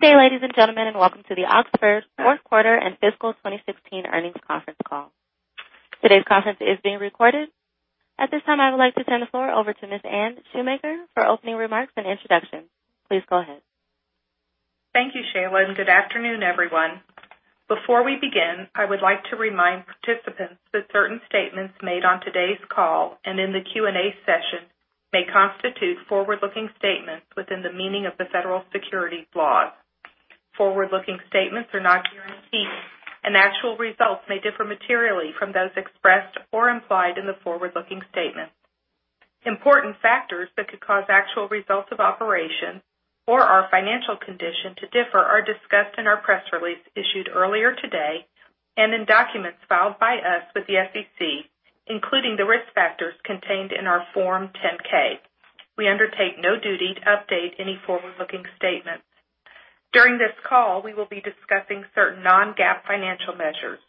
Good day, ladies and gentlemen, and welcome to the Oxford fourth quarter and fiscal 2016 earnings conference call. Today's conference is being recorded. At this time, I would like to turn the floor over to Ms. Anne Shoemaker for opening remarks and introductions. Please go ahead. Thank you, Shayla, good afternoon, everyone. Before we begin, I would like to remind participants that certain statements made on today's call and in the Q&A session may constitute forward-looking statements within the meaning of the federal securities laws. Forward-looking statements are not guarantees, and actual results may differ materially from those expressed or implied in the forward-looking statements. Important factors that could cause actual results of operation or our financial condition to differ are discussed in our press release issued earlier today and in documents filed by us with the SEC, including the risk factors contained in our Form 10-K. We undertake no duty to update any forward-looking statements. During this call, we will be discussing certain non-GAAP financial measures.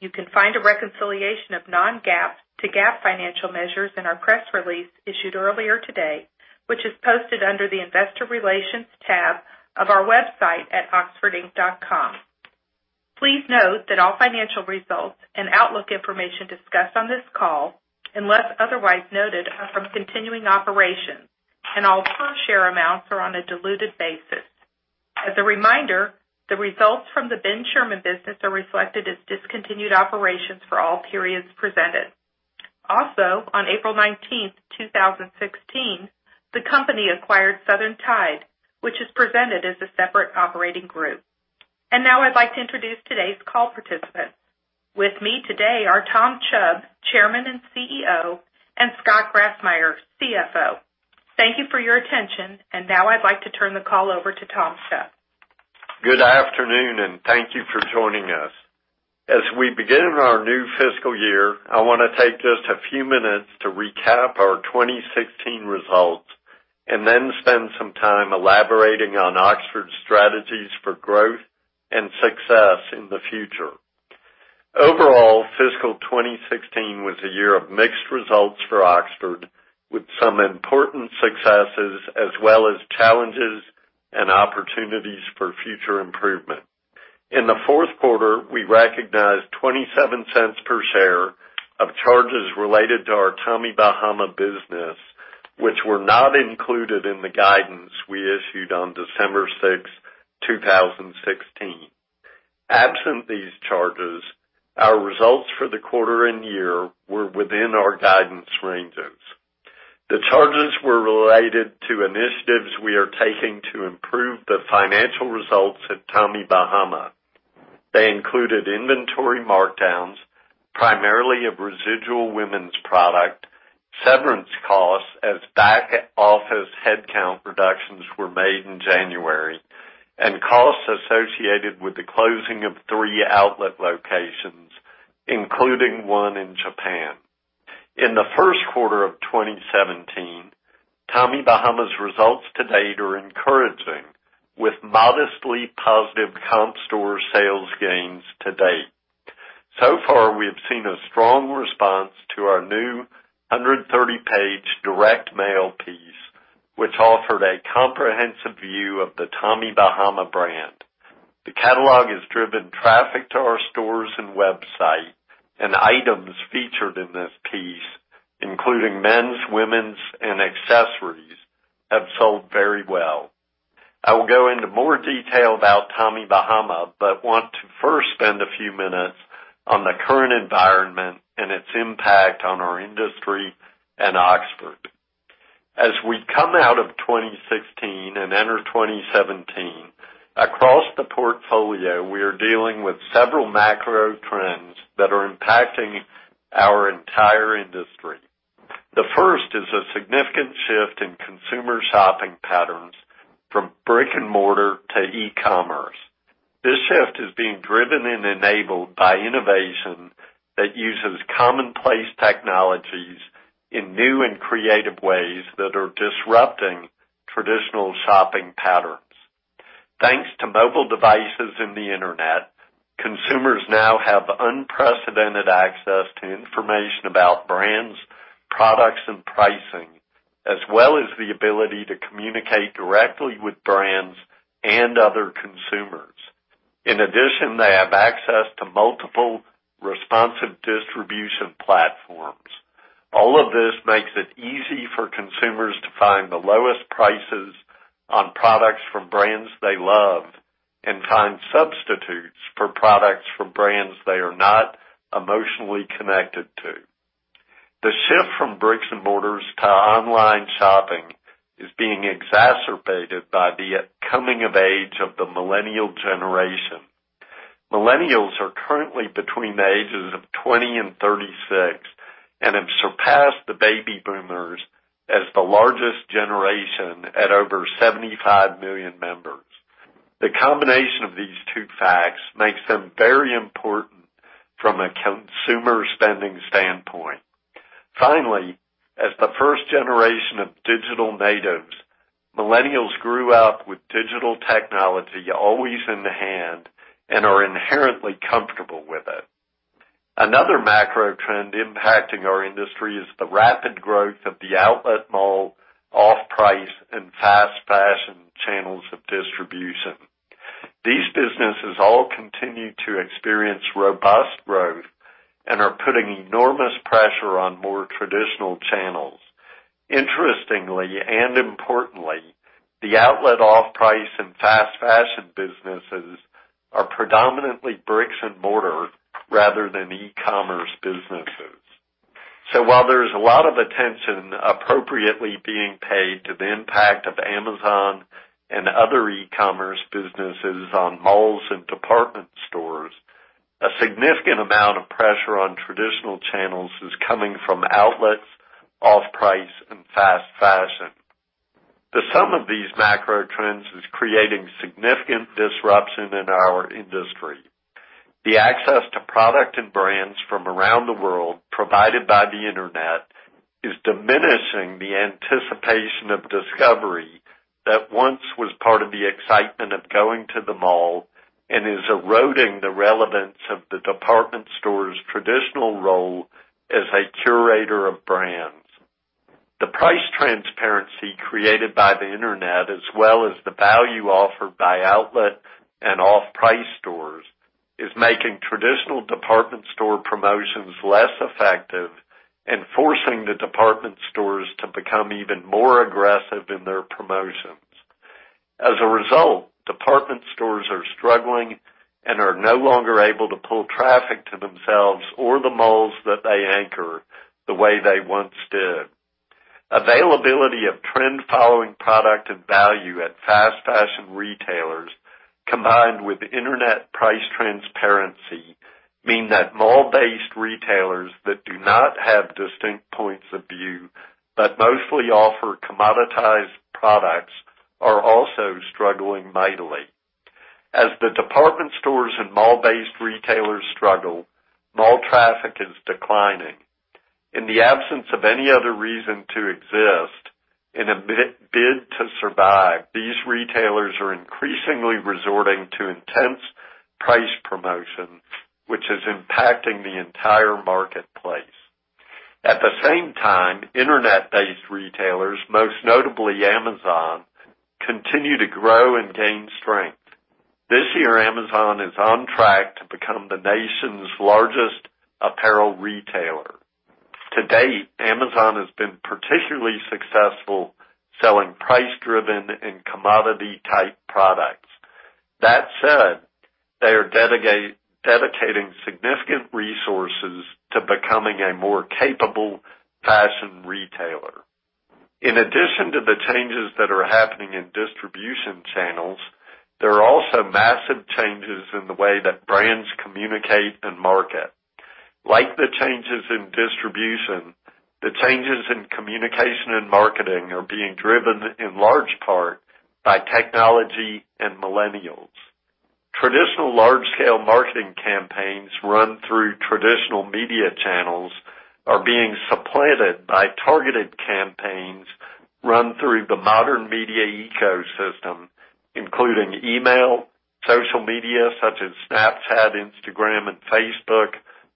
You can find a reconciliation of non-GAAP to GAAP financial measures in our press release issued earlier today, which is posted under the investor relations tab of our website at oxfordinc.com. Please note that all financial results and outlook information discussed on this call, unless otherwise noted, are from continuing operations, and all per share amounts are on a diluted basis. As a reminder, the results from the Ben Sherman business are reflected as discontinued operations for all periods presented. Also, on April 19th, 2016, the company acquired Southern Tide, which is presented as a separate operating group. Now I'd like to introduce today's call participants. With me today are Tom Chubb, Chairman and CEO, and Scott Grassmyer, CFO. Thank you for your attention, now I'd like to turn the call over to Tom Chubb. Good afternoon, thank you for joining us. As we begin our new fiscal year, I wanna take just a few minutes to recap our 2016 results and then spend some time elaborating on Oxford's strategies for growth and success in the future. Overall, fiscal 2016 was a year of mixed results for Oxford, with some important successes as well as challenges and opportunities for future improvement. In the fourth quarter, we recognized $0.27 per share of charges related to our Tommy Bahama business, which were not included in the guidance we issued on December 6th, 2016. Absent these charges, our results for the quarter and year were within our guidance ranges. The charges were related to initiatives we are taking to improve the financial results at Tommy Bahama. They included inventory markdowns, primarily of residual women's product, severance costs as back office headcount reductions were made in January, and costs associated with the closing of three outlet locations, including one in Japan. In the first quarter of 2017, Tommy Bahama's results to date are encouraging, with modestly positive comp store sales gains to date. Far, we have seen a strong response to our new 130-page direct mail piece, which offered a comprehensive view of the Tommy Bahama brand. The catalog has driven traffic to our stores and website. Items featured in this piece, including men's, women's and accessories, have sold very well. I will go into more detail about Tommy Bahama. Want to first spend a few minutes on the current environment and its impact on our industry and Oxford. As we come out of 2016 and enter 2017, across the portfolio, we are dealing with several macro trends that are impacting our entire industry. The first is a significant shift in consumer shopping patterns from brick and mortar to e-commerce. This shift is being driven and enabled by innovation that uses commonplace technologies in new and creative ways that are disrupting traditional shopping patterns. Thanks to mobile devices and the internet, consumers now have unprecedented access to information about brands, products, and pricing, as well as the ability to communicate directly with brands and other consumers. In addition, they have access to multiple responsive distribution platforms. All of this makes it easy for consumers to find the lowest prices on products from brands they love and find substitutes for products from brands they are not emotionally connected to. The shift from bricks and mortars to online shopping is being exacerbated by the coming of age of the millennial generation. Millennials are currently between the ages of 20 and 36 and have surpassed the baby boomers as the largest generation at over 75 million members. The combination of these two facts makes them very important from a consumer spending standpoint. Finally, as the first generation of digital natives, millennials grew up with digital technology always in hand and are inherently comfortable. Another macro trend impacting our industry is the rapid growth of the outlet mall, off-price, and fast fashion channels of distribution. These businesses all continue to experience robust growth and are putting enormous pressure on more traditional channels. Interestingly and importantly, the outlet off-price and fast fashion businesses are predominantly bricks and mortar rather than e-commerce businesses. While there's a lot of attention appropriately being paid to the impact of Amazon and other e-commerce businesses on malls and department stores, a significant amount of pressure on traditional channels is coming from outlets, off-price, and fast fashion. The sum of these macro trends is creating significant disruption in our industry. The access to product and brands from around the world provided by the internet is diminishing the anticipation of discovery that once was part of the excitement of going to the mall and is eroding the relevance of the department store's traditional role as a curator of brands. The price transparency created by the internet, as well as the value offered by outlet and off-price stores, is making traditional department store promotions less effective and forcing the department stores to become even more aggressive in their promotions. As a result, department stores are struggling and are no longer able to pull traffic to themselves or the malls that they anchor the way they once did. Availability of trend-following product and value at fast fashion retailers, combined with internet price transparency, mean that mall-based retailers that do not have distinct points of view but mostly offer commoditized products are also struggling mightily. As the department stores and mall-based retailers struggle, mall traffic is declining. In the absence of any other reason to exist, in a bid to survive, these retailers are increasingly resorting to intense price promotion, which is impacting the entire marketplace. At the same time, internet-based retailers, most notably Amazon, continue to grow and gain strength. This year, Amazon is on track to become the nation's largest apparel retailer. To date, Amazon has been particularly successful selling price-driven and commodity-type products. That said, they are dedicating significant resources to becoming a more capable fashion retailer. In addition to the changes that are happening in distribution channels, there are also massive changes in the way that brands communicate and market. Like the changes in distribution, the changes in communication and marketing are being driven in large part by technology and millennials. Traditional large-scale marketing campaigns run through traditional media channels are being supplanted by targeted campaigns run through the modern media ecosystem, including email, social media such as Snapchat, Instagram and Facebook,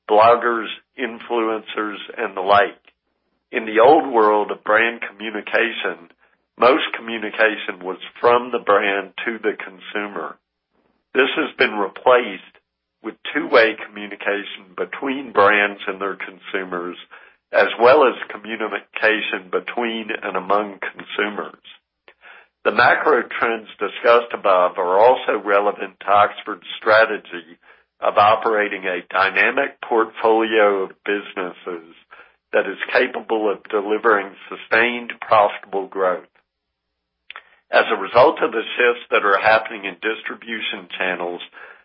bloggers, influencers, and the like. In the old world of brand communication, most communication was from the brand to the consumer. This has been replaced with two-way communication between brands and their consumers, as well as communication between and among consumers. The macro trends discussed above are also relevant to Oxford's strategy of operating a dynamic portfolio of businesses that is capable of delivering sustained, profitable growth. As a result of the shifts that are happening in distribution channels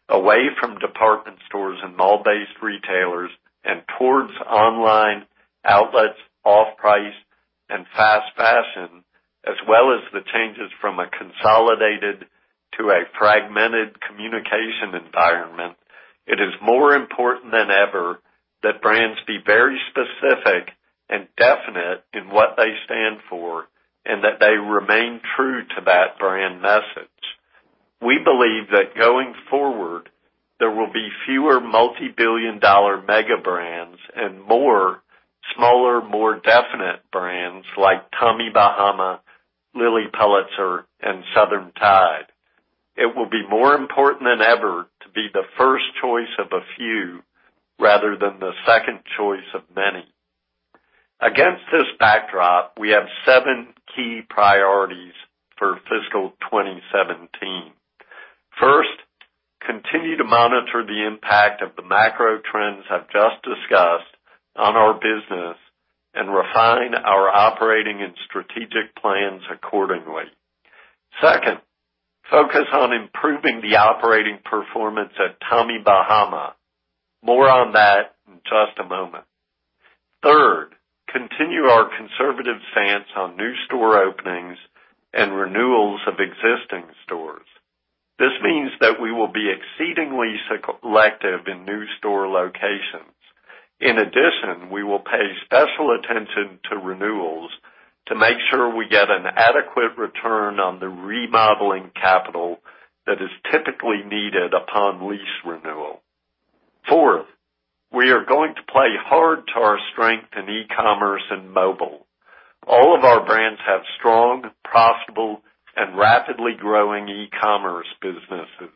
away from department stores and mall-based retailers and towards online outlets, off-price and fast fashion, as well as the changes from a consolidated to a fragmented communication environment, it is more important than ever that brands be very specific and definite in what they stand for, and that they remain true to that brand message. We believe that going forward, there will be fewer multi-billion-dollar mega brands and more smaller, more definite brands like Tommy Bahama, Lilly Pulitzer, and Southern Tide. It will be more important than ever to be the first choice of a few rather than the second choice of many. Against this backdrop, we have seven key priorities for fiscal 2017. First, continue to monitor the impact of the macro trends I've just discussed on our business and refine our operating and strategic plans accordingly. Second, focus on improving the operating performance at Tommy Bahama. More on that in just a moment. Third, continue our conservative stance on new store openings and renewals of existing stores. This means that we will be exceedingly selective in new store locations. In addition, we will pay special attention to renewals to make sure we get an adequate return on the remodeling capital that is typically needed upon lease renewal. Fourth, we are going to play hard to our strength in e-commerce and mobile. All of our brands have strong, profitable, and rapidly growing e-commerce businesses.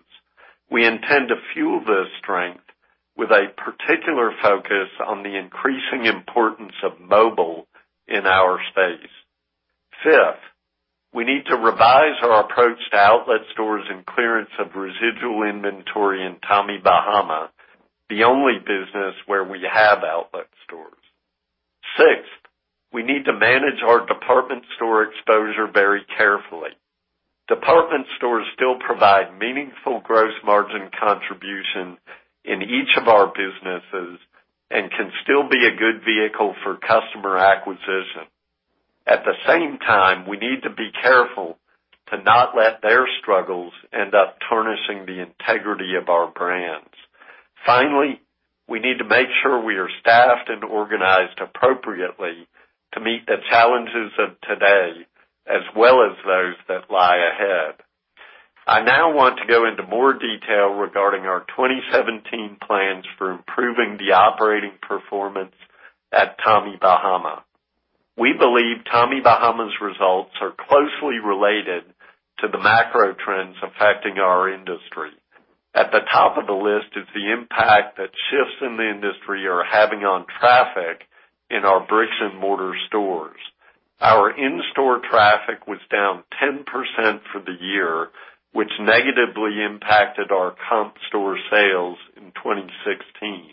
We intend to fuel this strength with a particular focus on the increasing importance of mobile in our space. Fifth, we need to revise our approach to outlet stores and clearance of residual inventory in Tommy Bahama, the only business where we have outlet stores. Sixth, we need to manage our department store exposure very carefully. Department stores still provide meaningful gross margin contribution in each of our businesses and can still be a good vehicle for customer acquisition. At the same time, we need to be careful to not let their struggles end up tarnishing the integrity of our brands. Finally, we need to make sure we are staffed and organized appropriately to meet the challenges of today, as well as those that lie ahead. I now want to go into more detail regarding our 2017 plans for improving the operating performance at Tommy Bahama. We believe Tommy Bahama's results are closely related to the macro trends affecting our industry. At the top of the list is the impact that shifts in the industry are having on traffic in our bricks and mortar stores. Our in-store traffic was down 10% for the year, which negatively impacted our comp store sales in 2016.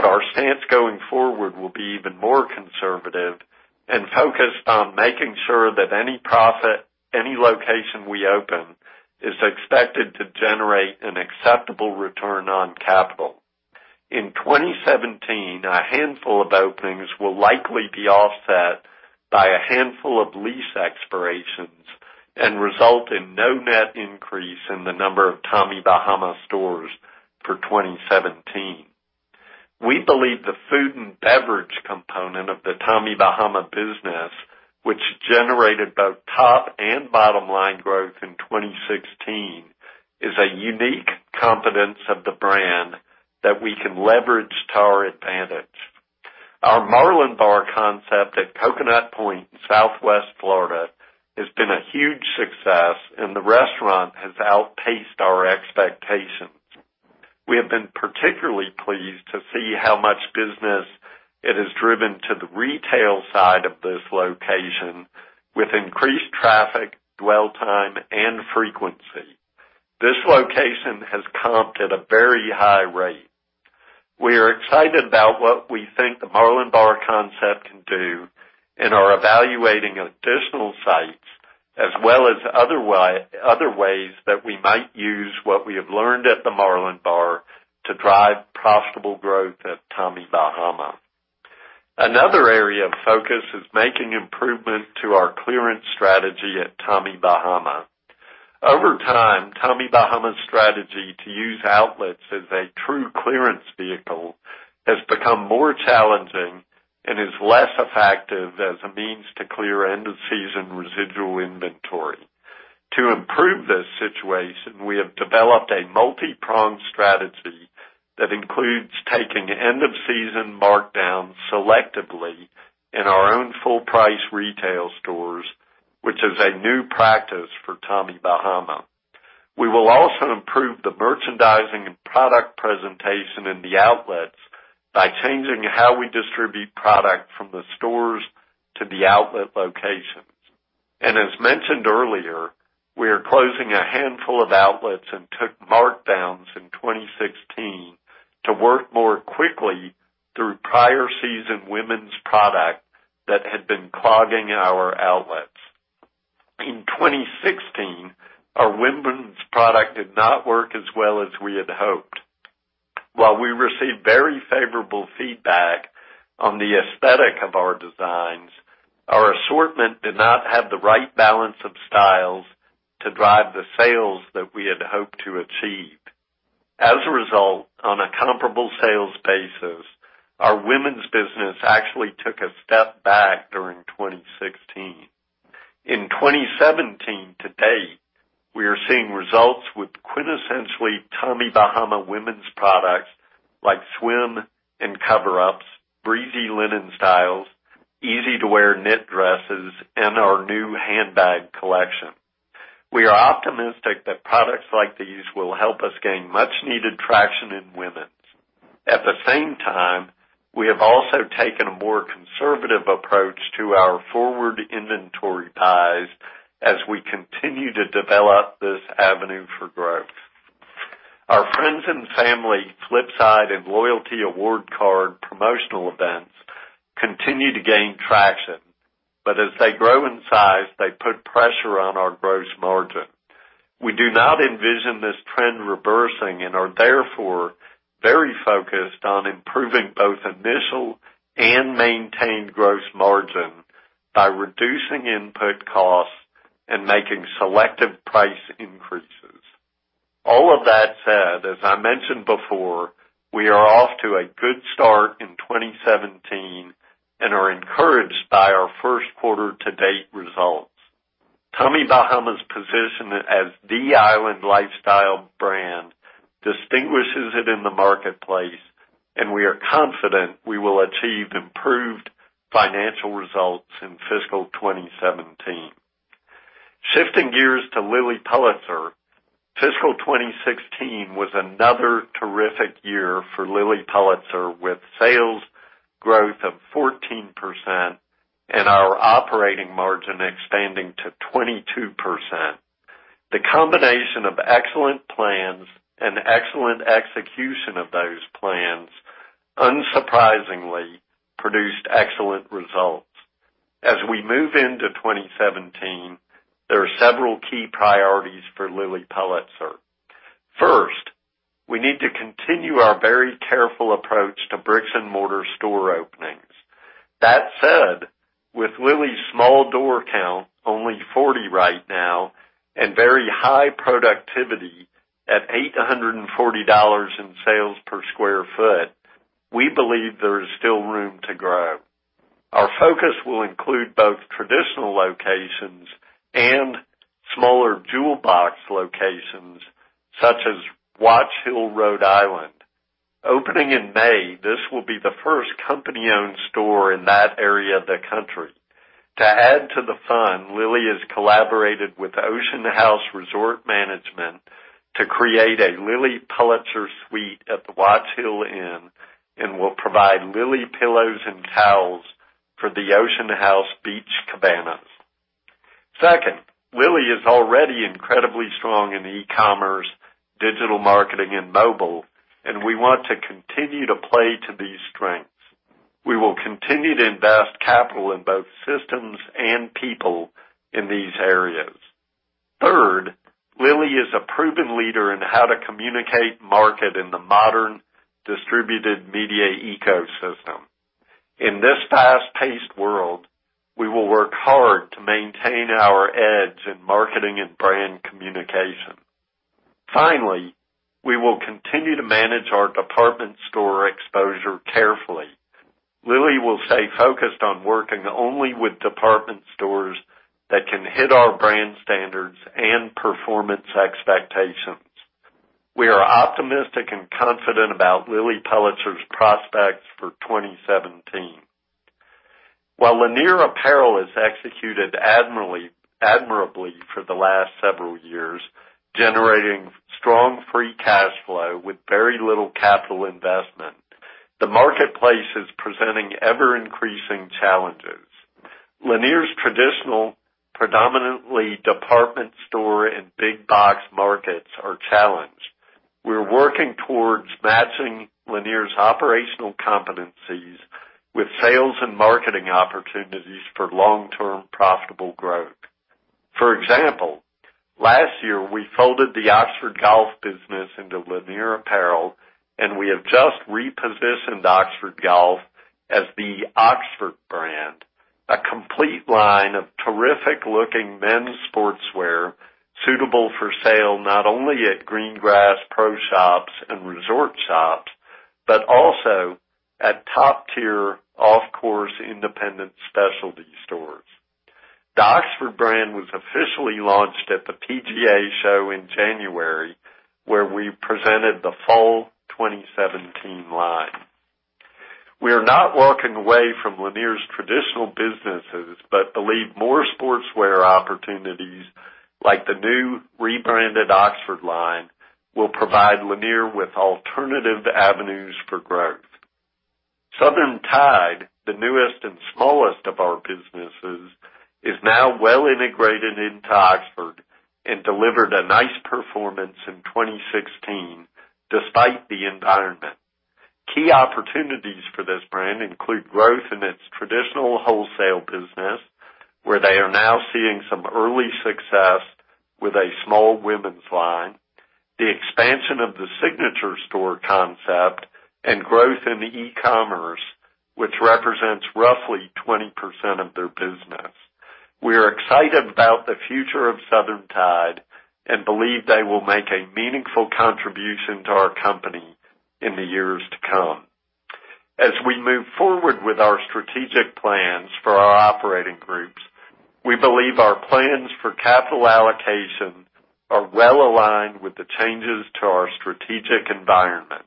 Our stance going forward will be even more conservative and focused on making sure that any profit, any location we open, is expected to generate an acceptable return on capital. In 2017, a handful of openings will likely be offset by a handful of lease expirations and result in no net increase in the number of Tommy Bahama stores for 2017. We believe the food and beverage component of the Tommy Bahama business, which generated both top and bottom-line growth in 2016, is a unique competence of the brand that we can leverage to our advantage. Our Marlin Bar concept at Coconut Point, Southwest Florida, has been a huge success. The restaurant has outpaced our expectations. We have been particularly pleased to see how much business it has driven to the retail side of this location with increased traffic, dwell time, and frequency. This location has comped at a very high rate. We are excited about what we think the Marlin Bar concept can do and are evaluating additional sites, as well as other ways that we might use what we have learned at the Marlin Bar to drive profitable growth at Tommy Bahama. Another area of focus is making improvement to our clearance strategy at Tommy Bahama. Over time, Tommy Bahama's strategy to use outlets as a true clearance vehicle has become more challenging and is less effective as a means to clear end-of-season residual inventory. To improve this situation, we have developed a multi-pronged strategy that includes taking end-of-season markdowns selectively in our own full-price retail stores, which is a new practice for Tommy Bahama. We will also improve the merchandising and product presentation in the outlets by changing how we distribute product from the stores to the outlet locations. As mentioned earlier, we are closing a handful of outlets and took markdowns in 2016 to work more quickly through prior season women's product that had been clogging our outlets. In 2016, our women's product did not work as well as we had hoped. While we received very favorable feedback on the aesthetic of our designs, our assortment did not have the right balance of styles to drive the sales that we had hoped to achieve. As a result, on a comparable sales basis, our women's business actually took a step back during 2016. In 2017 to date, we are seeing results with quintessentially Tommy Bahama women's products like swim and cover-ups, breezy linen styles, easy-to-wear knit dresses, and our new handbag collection. We are optimistic that products like these will help us gain much needed traction in women's. At the same time, we have also taken a more conservative approach to our forward inventory ties as we continue to develop this avenue for growth. Our friends and family Flipside and loyalty award card promotional events continue to gain traction, but as they grow in size, they put pressure on our gross margin. We do not envision this trend reversing and are therefore very focused on improving both initial and maintained gross margin by reducing input costs and making selective price increases. All of that said, as I mentioned before, we are off to a good start in 2017 and are encouraged by our first quarter to date results. Tommy Bahama's position as the island lifestyle brand distinguishes it in the marketplace, and we are confident we will achieve improved financial results in fiscal 2017. Shifting gears to Lilly Pulitzer, fiscal 2016 was another terrific year for Lilly Pulitzer, with sales growth of 14% and our operating margin expanding to 22%. The combination of excellent plans and excellent execution of those plans, unsurprisingly produced excellent results. As we move into 2017, there are several key priorities for Lilly Pulitzer. First, we need to continue our very careful approach to bricks and mortar store openings. That said, with Lilly's small door count, only 40 right now, and very high productivity at $840 in sales per square foot, we believe there is still room to grow. Our focus will include both traditional locations and smaller jewel box locations such as Watch Hill, Rhode Island. Opening in May, this will be the first company-owned store in that area of the country. To add to the fun, Lilly has collaborated with Ocean House Management to create a Lilly Pulitzer suite at the Watch Hill Inn and will provide Lilly pillows and towels for the Ocean House Beach Cabanas. Second, Lilly is already incredibly strong in e-commerce, digital marketing and mobile, and we want to continue to play to these strengths. We will continue to invest capital in both systems and people in these areas. Third, Lilly is a proven leader in how to communicate market in the modern distributed media ecosystem. In this fast-paced world, we will work hard to maintain our edge in marketing and brand communication. Finally, we will continue to manage our department store exposure carefully. Lilly will stay focused on working only with department stores that can hit our brand standards and performance expectations. We are optimistic and confident about Lilly Pulitzer's prospects for 2017. While Lanier Apparel has executed admirably for the last several years, generating strong free cash flow with very little capital investment, the marketplace is presenting ever increasing challenges. Lanier's traditional, predominantly department store and big box markets are challenged. We're working towards matching Lanier's operational competencies with sales and marketing opportunities for long-term profitable growth. For example, last year we folded the Oxford Golf business into Lanier Apparel, and we have just repositioned Oxford Golf as the Oxford brand, a complete line of terrific looking men's sportswear suitable for sale not only at green grass pro shops and resort shops, but also at top tier off-course independent specialty stores. The Oxford brand was officially launched at the PGA Show in January, where we presented the fall 2017 line. We are not walking away from Lanier's traditional businesses, but believe more sportswear opportunities like the new rebranded Oxford line will provide Lanier with alternative avenues for growth. Southern Tide, the newest and smallest of our businesses, is now well integrated into Oxford and delivered a nice performance in 2016 despite the environment. Key opportunities for this brand include growth in its traditional wholesale business, where they are now seeing some early success with a small women's line, the expansion of the signature store concept, and growth in e-commerce, which represents roughly 20% of their business. We are excited about the future of Southern Tide and believe they will make a meaningful contribution to our company in the years to come. As we move forward with our strategic plans for our operating groups, we believe our plans for capital allocation are well aligned with the changes to our strategic environment.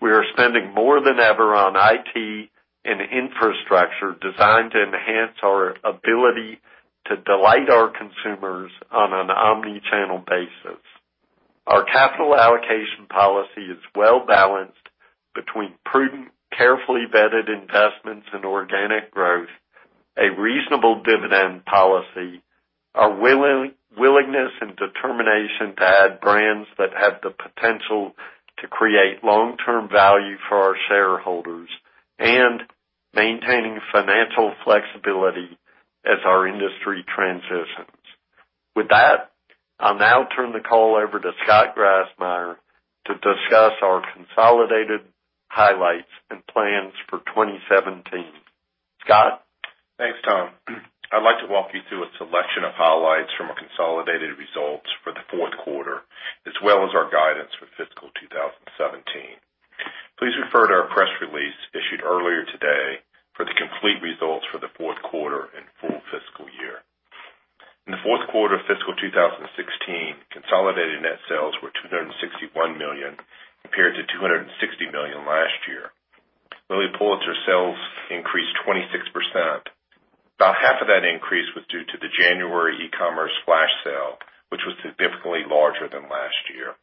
We are spending more than ever on IT and infrastructure designed to enhance our ability to delight our consumers on an omni-channel basis. Our capital allocation policy is well-balanced between prudent, carefully vetted investments and organic growth, a reasonable dividend policy, a willingness and determination to add brands that have the potential to create long-term value for our shareholders, and maintaining financial flexibility as our industry transitions. With that, I'll now turn the call over to Scott Grassmyer to discuss our consolidated highlights and plans for 2017. Scott? Walk you through a selection of highlights from our consolidated results for the fourth quarter, as well as our guidance for fiscal 2017. Please refer to our press release issued earlier today for the complete results for the fourth quarter and full fiscal year. In the fourth quarter of fiscal 2016, consolidated net sales were $261 million, compared to $260 million last year. Lilly Pulitzer sales increased 26%. About half of that increase was due to the January e-commerce flash sale, which was significantly larger than last year.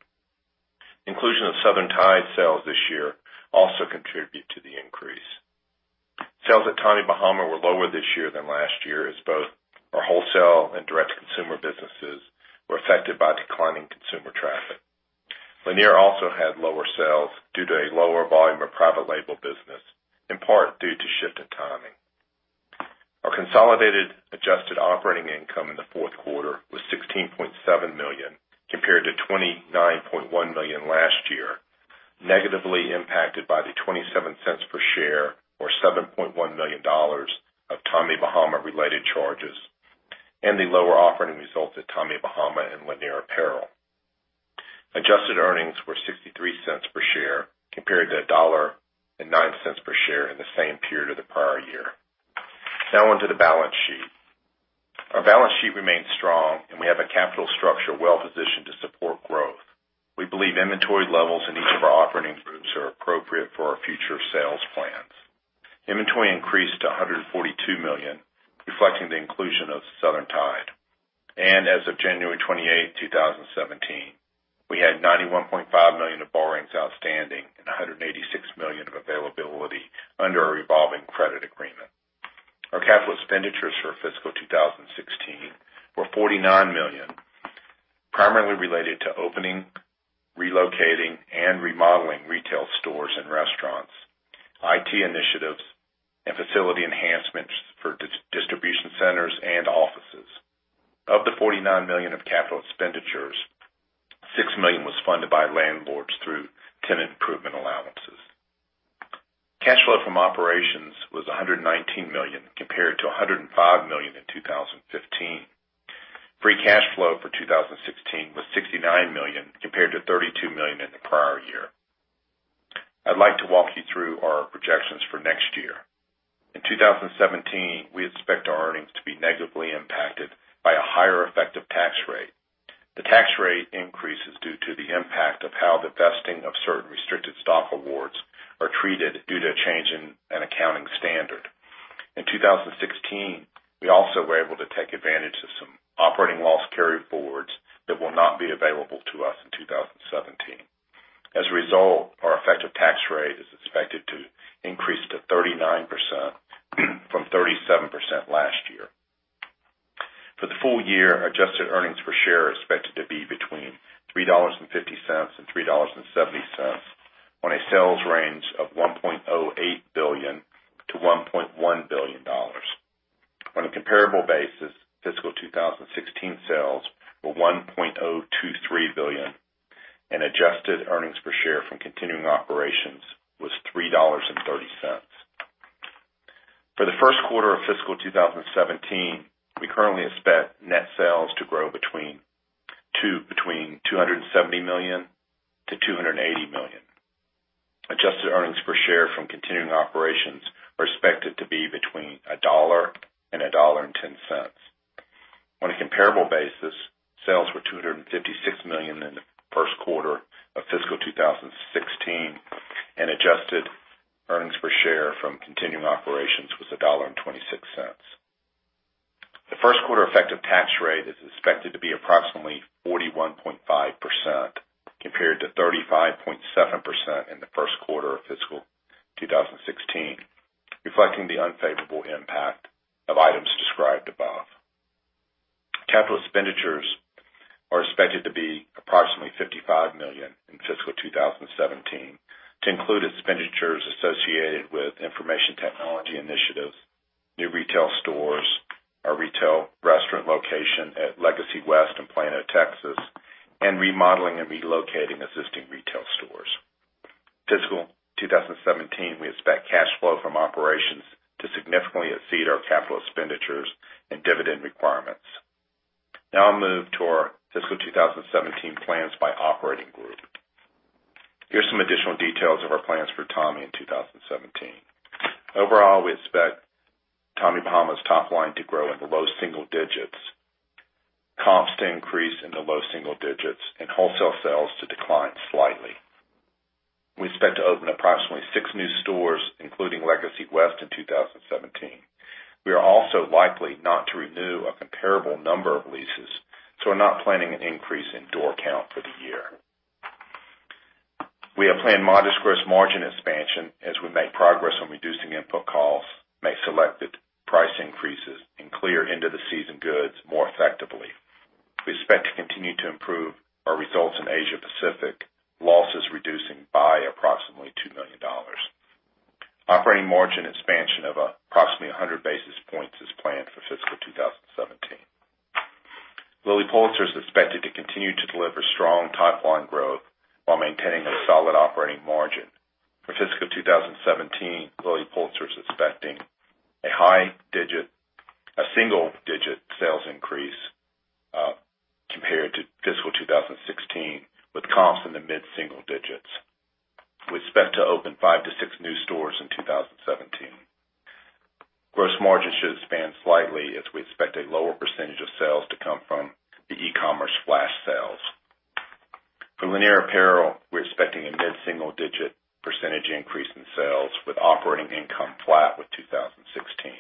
Inclusion of Southern Tide sales this year also contribute to the increase. Sales at Tommy Bahama were lower this year than last year, as both our wholesale and direct-to-consumer businesses were affected by declining consumer traffic. Lanier also had lower sales due to a lower volume of private label business, in part due to shift in timing. Our consolidated adjusted operating income in the fourth quarter was $16.7 million, compared to $29.1 million last year, negatively impacted by the $0.27 per share or $7.1 million of Tommy Bahama related charges and the lower operating results at Tommy Bahama and Lanier Apparel. Adjusted earnings were $0.63 per share compared to $1.09 per share in the same period of the prior year. Now on to the balance sheet. Our balance sheet remains strong and we have a capital structure well positioned to support growth. We believe inventory levels in each of our operating groups are appropriate for our future sales plans. Inventory increased to $142 million, reflecting the inclusion of Southern Tide. As of January 28, 2017, we had $91.5 million of borrowings outstanding and $186 million of availability under a revolving credit agreement. Our capital expenditures for fiscal 2016 were $49 million, primarily related to opening, relocating, and remodeling retail stores and restaurants, IT initiatives, and facility enhancements for distribution centers and offices. Of the $49 million of capital expenditures, $6 million was funded by landlords through tenant improvement allowances. Cash flow from operations was $119 million compared to $105 million in 2015. Free cash flow for 2016 was $69 million, compared to $32 million in the prior year. I'd like to walk you through our projections for next year. In 2017, we expect our earnings to be negatively impacted by a higher effective tax rate. The tax rate increase is due to the impact of how the vesting of certain restricted stock awards are treated due to a change in an accounting standard. In 2016, we also were able to take advantage of some operating loss carryforwards that will not be available to us in 2017. As a result, our effective tax rate is expected to increase to 39% from 37% last year. For the full year, adjusted earnings per share are expected to be between $3.50 and $3.70 on a sales range of $1.08 billion to $1.1 billion. On a comparable basis, fiscal 2016 sales were $1.023 billion and adjusted earnings per share from continuing operations was $3.30. For the first quarter of fiscal 2017, we currently expect net sales to grow between $270 million to $280 million. Adjusted earnings per share from continuing operations are expected to be between $1.00 and $1.10. On a comparable basis, sales were $256 million in the first quarter of fiscal 2016, and adjusted earnings per share from continuing operations was $1.26. The first quarter effective tax rate is expected to be approximately 41.5%, compared to 35.7% in the first quarter of fiscal 2016, reflecting the unfavorable impact of items described above. Capital expenditures are expected to be approximately $55 million in fiscal 2017 to include expenditures associated with information technology initiatives, new retail stores, our retail restaurant location at Legacy West in Plano, Texas, and remodeling and relocating existing retail stores. Fiscal 2017, we expect cash flow from operations to significantly exceed our capital expenditures and dividend requirements. I'll move to our fiscal 2017 plans by operating group. Here's some additional details of our plans for Tommy in 2017. Overall, we expect Tommy Bahama's top line to grow in the low single digits, comps to increase in the low single digits, and wholesale sales to decline slightly. We expect to open approximately six new stores, including Legacy West in 2017. We are also likely not to renew a comparable number of leases, so we're not planning an increase in door count for the year. We have planned modest gross margin expansion as we make progress on reducing input costs, make selected price increases, and clear end of the season goods more effectively. We expect to continue to improve our results in Asia Pacific, losses reducing by approximately $2 million. Operating margin expansion of approximately 100 basis points is planned for fiscal 2017. Lilly Pulitzer is expected to continue to deliver strong top-line growth while maintaining a solid operating margin. For fiscal 2017, Lilly Pulitzer is expecting a single-digit sales increase compared to fiscal 2016, with comps in the mid-single digits. We expect to open five to six new stores in 2017. Gross margin should expand slightly as we expect a lower percentage of sales to come from the e-commerce flash sales. For Lanier Apparel, we're expecting a mid-single digit percentage increase in sales, with operating income flat with 2016.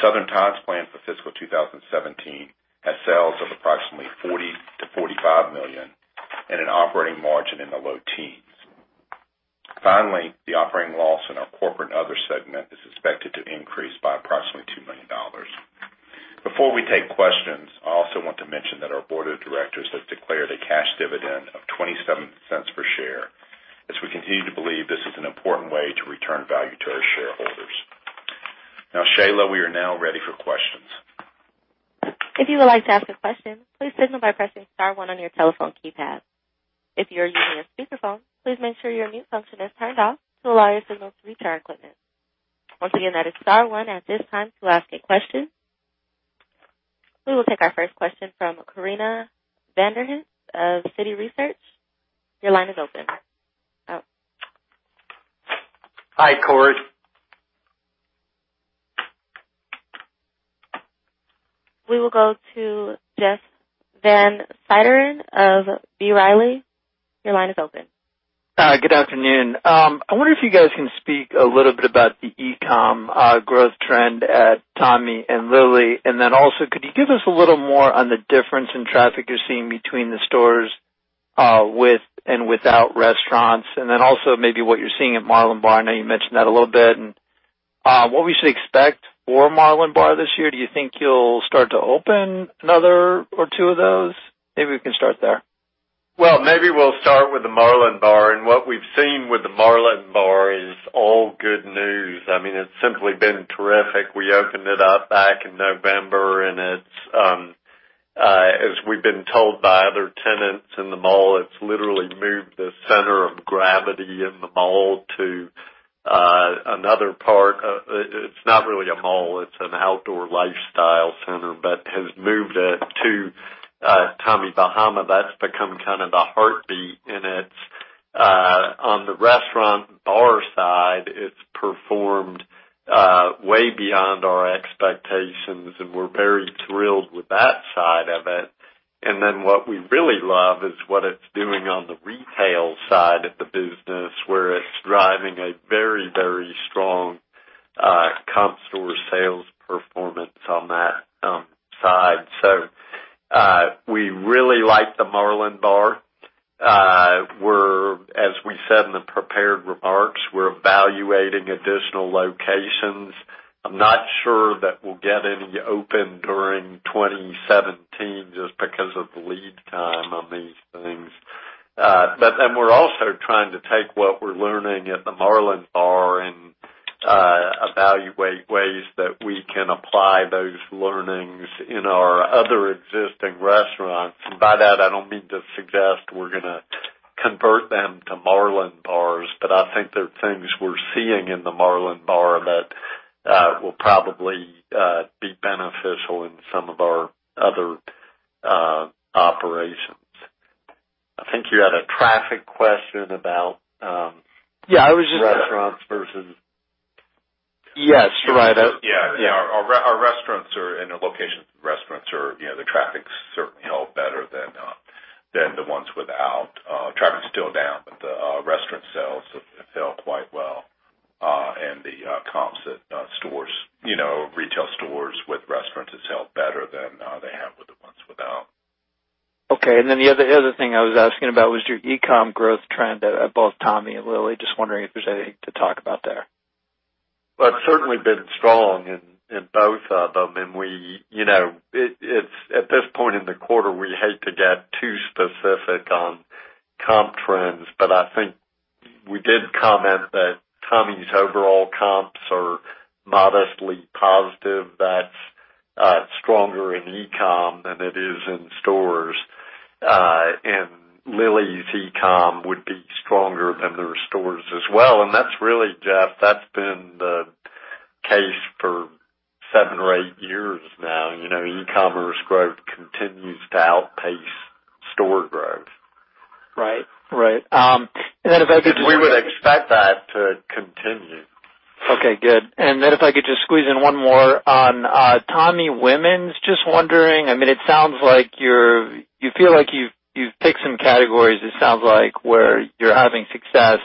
Southern Tide's plan for fiscal 2017 has sales of approximately $40 million-$45 million, and an operating margin in the low teens. The operating loss in our corporate other segment is expected to increase by approximately $2 million. Before we take questions, I also want to mention that our board of directors have declared a cash dividend of $0.27 per share, as we continue to believe this is an important way to return value to our shareholders. Shayla, we are now ready for questions. If you would like to ask a question, please signal by pressing *1 on your telephone keypad. If you're using a speakerphone, please make sure your mute function is turned off to allow your signal to reach our equipment. Once again, that is *1 at this time to ask a question. We will take our first question from Corinna van der Laan of Citi Research. Your line is open. Hi, Cor. We will go to Jeff Van Sinderen of B. Riley. Your line is open. Good afternoon. I wonder if you guys can speak a little bit about the e-com growth trend at Tommy and Lilly. Then also, could you give us a little more on the difference in traffic you're seeing between the stores with and without restaurants, and then also maybe what you're seeing at Marlin Bar? I know you mentioned that a little bit, and what we should expect for Marlin Bar this year. Do you think you'll start to open another or two of those? Maybe we can start there. Well, maybe we'll start with the Marlin Bar, what we've seen with the Marlin Bar is all good news. It's simply been terrific. We opened it up back in November, and as we've been told by other tenants in the mall, it's literally moved the center of gravity in the mall to another part. It's not really a mall, it's an outdoor lifestyle center, but has moved it to Tommy Bahama. That's become kind of the heartbeat, and on the restaurant bar side, it's performed way beyond our expectations, and we're very thrilled with that side of it. Then what we really love is what it's doing on the retail side of the business, where it's driving a very strong comp store sales performance on that side. We really like the Marlin Bar. As we said in the prepared remarks, we're evaluating additional locations. I'm not sure that we'll get any open during 2017, just because of the lead time on these things. We're also trying to take what we're learning at the Marlin Bar and evaluate ways that we can apply those learnings in our other existing restaurants. By that, I don't mean to suggest we're going to convert them to Marlin Bars, but I think there are things we're seeing in the Marlin Bar that will probably be beneficial in some of our other operations. I think you had a traffic question about- Yeah, I was just- Restaurants versus Yes. Right. Yeah. Our restaurants or in a location, the traffic's certainly all better than the ones without. Traffic's still down. The restaurant sales have held quite well. The comps at stores, retail stores with restaurants has held better than they have with the ones without. Okay. The other thing I was asking about was your e-com growth trend at both Tommy and Lilly. Just wondering if there's anything to talk about there. Well, it's certainly been strong in both of them. At this point in the quarter, we hate to get too specific on comp trends. I think we did comment that Tommy's overall comps are modestly positive. That's stronger in e-com than it is in stores. Lilly's e-com would be stronger than their stores as well. That's really, Jeff, that's been the case for seven or eight years now. E-commerce growth continues to outpace store growth. Right. We would expect that to continue. Okay, good. If I could just squeeze in one more on Tommy Women's, just wondering, it sounds like you feel like you've picked some categories, it sounds like, where you're having success.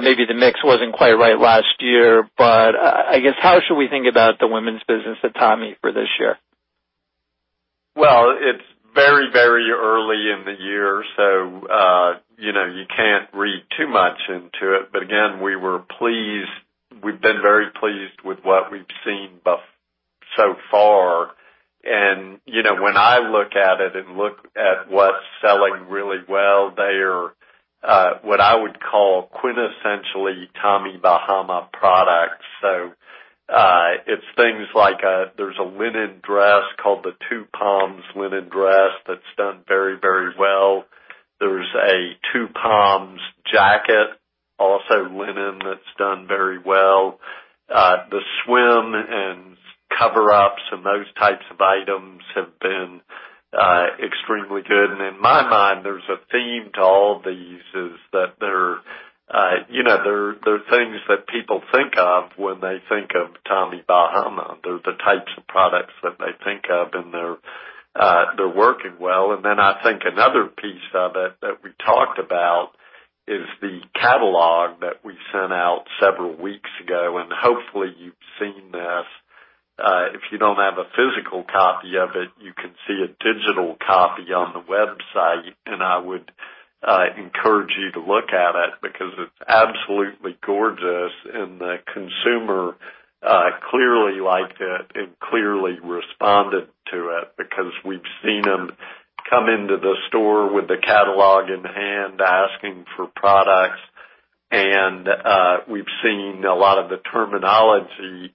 Maybe the mix wasn't quite right last year, I guess, how should we think about the women's business at Tommy for this year? Well, it's very early in the year, you can't read too much into it. Again, we've been very pleased with what we've seen so far. When I look at it and look at what's selling really well there What I would call quintessentially Tommy Bahama products. It's things like, there's a linen dress called the Two Palms Linen Dress that's done very well. There's a Two Palms jacket, also linen, that's done very well. The swim and coverups and those types of items have been extremely good. In my mind, there's a theme to all these, is that they're things that people think of when they think of Tommy Bahama. They're the types of products that they think of, and they're working well. I think another piece of it that we talked about is the catalog that we sent out several weeks ago, hopefully you've seen this. If you don't have a physical copy of it, you can see a digital copy on the website, I would encourage you to look at it, because it's absolutely gorgeous, the consumer clearly liked it and clearly responded to it, because we've seen them come into the store with the catalog in hand, asking for products. We've seen a lot of the terminology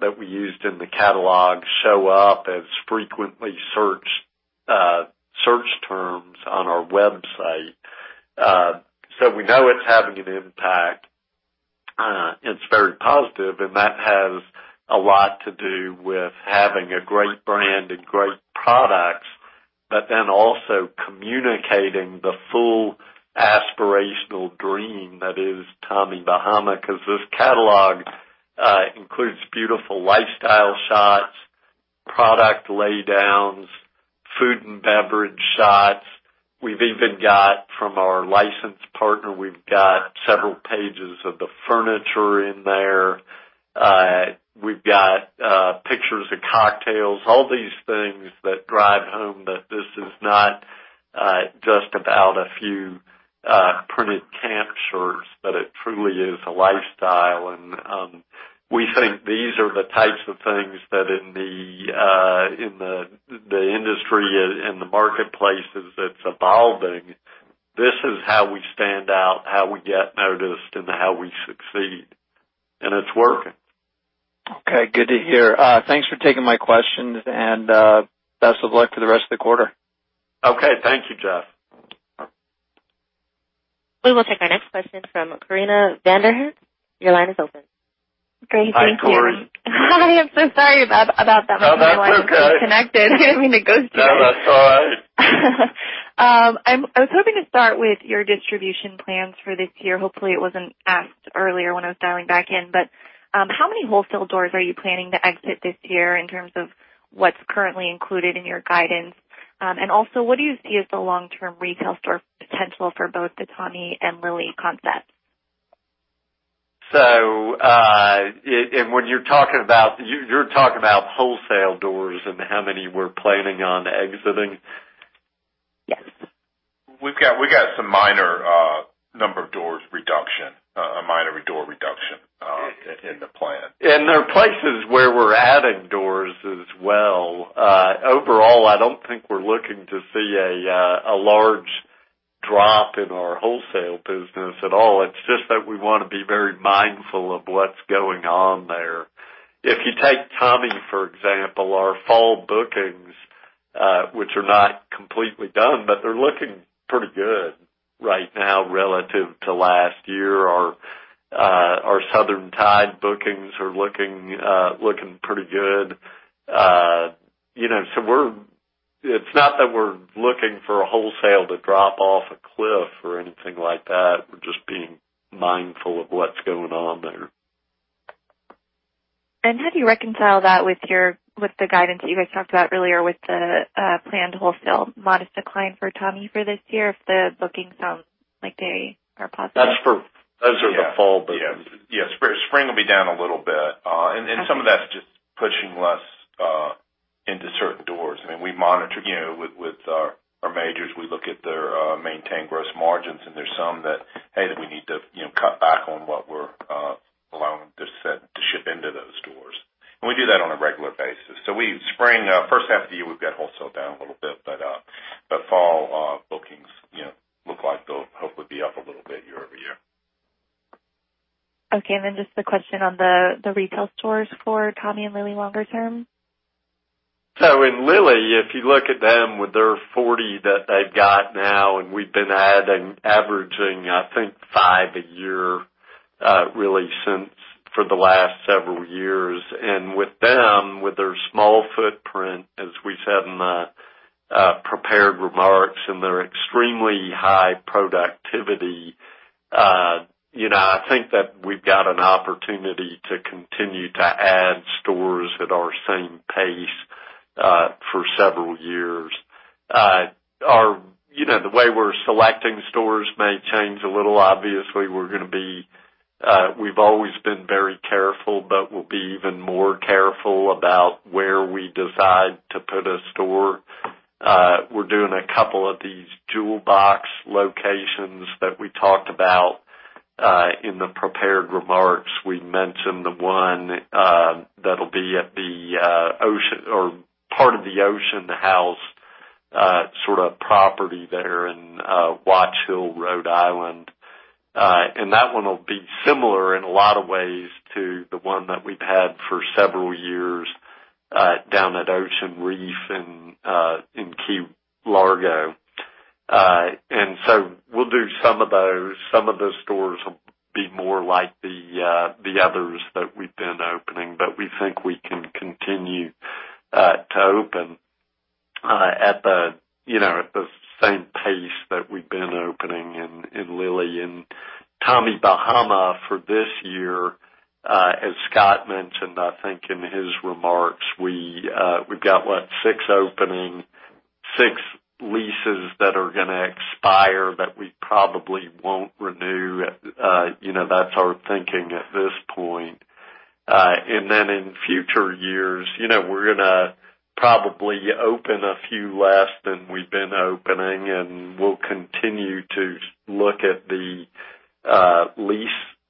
that we used in the catalog show up as frequently searched search terms on our website. We know it's having an impact. It's very positive, that has a lot to do with having a great brand and great products, also communicating the full aspirational dream that is Tommy Bahama. This catalog includes beautiful lifestyle shots, product laydowns, food and beverage shots. We've even got from our licensed partner, we've got several pages of the furniture in there. We've got pictures of cocktails, all these things that drive home that this is not just about a few printed camp shirts, but it truly is a lifestyle. We think these are the types of things that in the industry, in the marketplaces that's evolving, this is how we stand out, how we get noticed, and how we succeed. It's working. Okay, good to hear. Thanks for taking my questions and best of luck for the rest of the quarter. Okay. Thank you, Jeff. We will take our next question from Corinna van der Laan. Your line is open. Great. Thank you. Hi, Corinna. Hi, I'm so sorry about that. My line just got disconnected. I didn't mean to go straight in. No, that's all right. I was hoping to start with your distribution plans for this year. Hopefully, it wasn't asked earlier when I was dialing back in. How many wholesale doors are you planning to exit this year in terms of what's currently included in your guidance? Also, what do you see as the long-term retail store potential for both the Tommy and Lilly concepts? You're talking about wholesale doors and how many we're planning on exiting? Yes. We've got some minor number of doors reduction, a minor door reduction in the plan. There are places where we're adding doors as well. Overall, I don't think we're looking to see a large drop in our wholesale business at all. It's just that we want to be very mindful of what's going on there. If you take Tommy, for example, our fall bookings, which are not completely done, but they're looking pretty good right now relative to last year. Our Southern Tide bookings are looking pretty good. It's not that we're looking for a wholesale to drop off a cliff or anything like that. We're just being mindful of what's going on there. How do you reconcile that with the guidance you guys talked about earlier with the planned wholesale modest decline for Tommy for this year, if the bookings sound like they are positive? That's for the fall bookings. Yeah. Spring will be down a little bit. Some of that's just pushing less into certain doors. With our majors, we look at their maintained gross margins, there's some that, hey, that we need to cut back on what we're allowing to ship into those doors. We do that on a regular basis. Spring, first half of the year, we've got wholesale down a little bit, fall bookings look like they'll hopefully be up a little bit year-over-year. Okay. Just a question on the retail stores for Tommy and Lilly longer term. In Lilly, if you look at them with their 40 that they've got now, we've been adding, averaging, I think, five a year, really since for the last several years. With them, with their small footprint, as we said in the prepared remarks, their extremely high productivity, I think that we've got an opportunity to continue to add stores at our same pace for several years. The way we're selecting stores may change a little. Obviously, we've always been very careful, we'll be even more careful about where we decide to put a store. We're doing a couple of these jewel box locations that we talked about In the prepared remarks, we mentioned the one that'll be at part of the Ocean House sort of property there in Watch Hill, Rhode Island. That one will be similar in a lot of ways to the one that we've had for several years down at Ocean Reef in Key Largo. We'll do some of those. Some of those stores will be more like the others that we've been opening. We think we can continue to open at the same pace that we've been opening in Lilly and Tommy Bahama for this year. As Scott mentioned, I think in his remarks, we've got what? Six opening, six leases that are going to expire that we probably won't renew. That's our thinking at this point. In future years, we're going to probably open a few less than we've been opening, we'll continue to look at the lease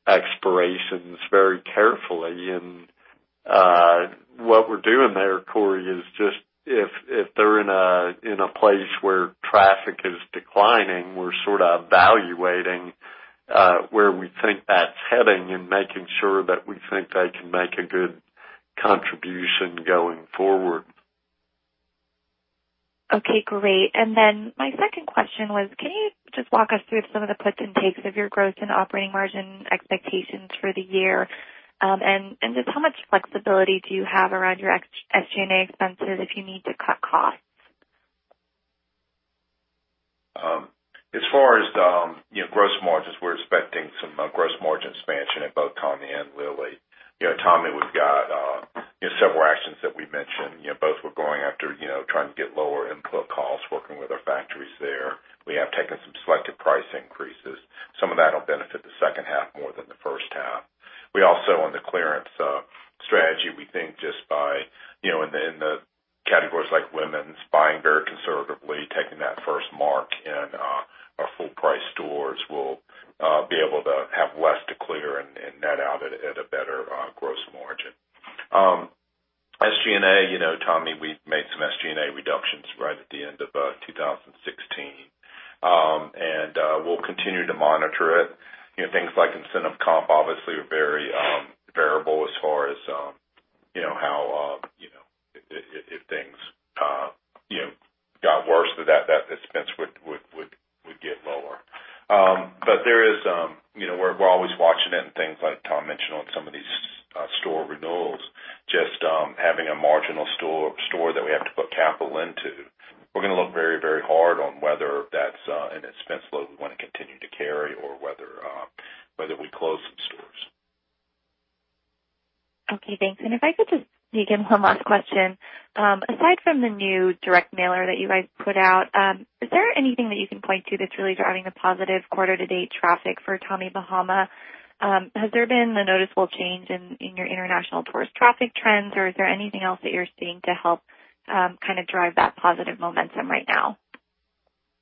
expirations very carefully. What we're doing there, Cori, is just if they're in a place where traffic is declining, we're sort of evaluating where we think that's heading and making sure that we think they can make a good contribution going forward. Okay, great. My second question was, can you just walk us through some of the puts and takes of your gross and operating margin expectations for the year? Just how much flexibility do you have around your SG&A expenses if you need to cut costs? As far as gross margins, we're expecting some gross margin expansion in both Tommy Bahama and Lilly Pulitzer. Tommy Bahama, we've got several actions that we mentioned. Both we're going after trying to get lower input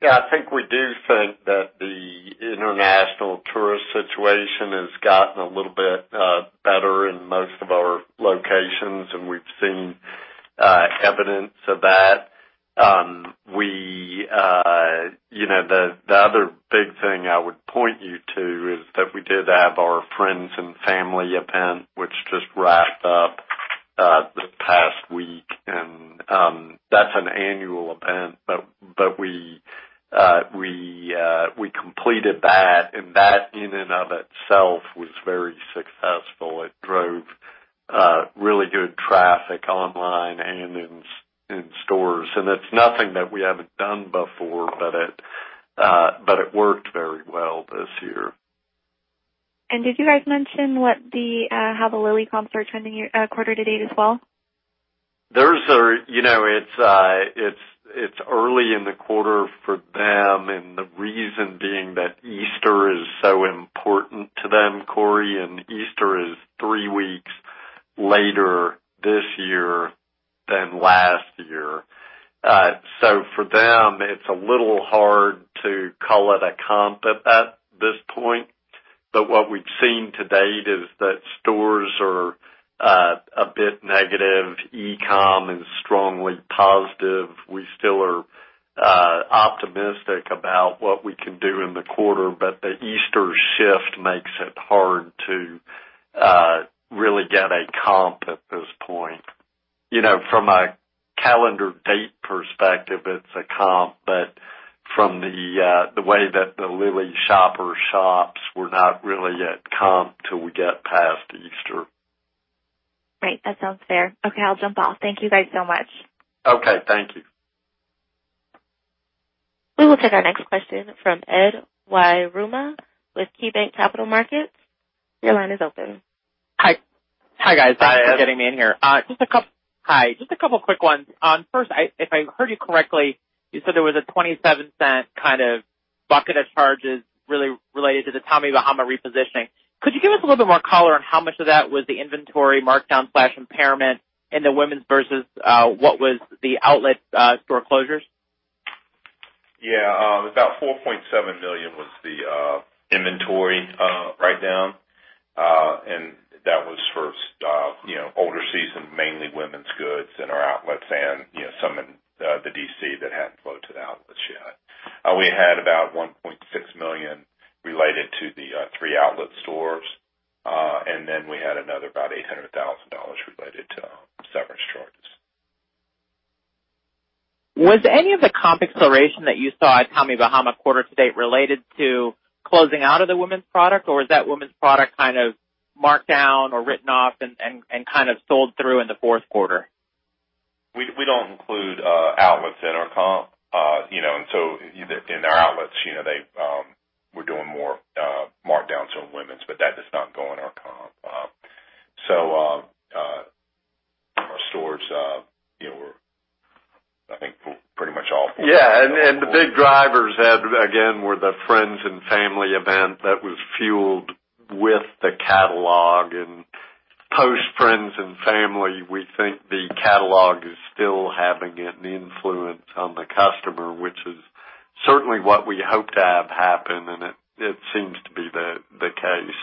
Yeah, I do think that the international tourist situation has gotten a little bit better in most of our locations, and we've seen evidence of that. The other big thing I would point you to is that we did have our friends and family event, which just wrapped up this past week, and that's an annual event. We completed that, and that in and of itself was very successful. It drove really good traffic online and in stores. It's nothing that we haven't done before, but it worked very well this year. Did you guys mention how the Lilly comps are trending quarter to date as well? It's early in the quarter for them, the reason being that Easter is so important to them, Corey, Easter is three weeks later this year than last year. For them, it's a little hard to call it a comp at this point. What we've seen to date is that stores are a bit negative. E-com is strongly positive. We still are optimistic about what we can do in the quarter, but the Easter shift makes it hard to really get a comp at this point. From a calendar date perspective, it's a comp, but from the way that the Lilly shopper shops, we're not really at comp till we get past Easter. Right. That sounds fair. Okay, I'll jump off. Thank you guys so much. Okay, thank you. We will take our next question from Edward Yruma with KeyBanc Capital Markets. Your line is open. Hi. Hi, Ed. Thanks for getting me in here. Hi. Just a couple quick ones. First, if I heard you correctly, you said there was a $0.27 kind of bucket of charges really related to the Tommy Bahama repositioning. Could you give us a little bit more color on how much of that was the inventory markdown/impairment in the women's versus what was the outlet store closures? Yeah. About $4.7 million was the inventory write-down. That was for older season, mainly women's goods in our outlets and some in the DC that hadn't flowed to the outlets yet. We had about $1.6 million related to the three outlet stores. We had another about $800,000 related to severance charges. Was any of the comp acceleration that you saw at Tommy Bahama quarter to date related to closing out of the women's product, or is that women's product marked down or written off and sold through in the fourth quarter? We don't include outlets in our comp. In our outlets, we're doing more markdowns on women's, but that does not go in our comp. Yeah. The big drivers had, again, were the friends and family event that was fueled with the catalog. Post friends and family, we think the catalog is still having an influence on the customer, which is certainly what we hope to have happen. It seems to be the case.